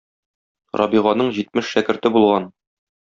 Рабиганың җитмеш шәкерте булган.